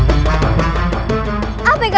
jangan banyak semak up instan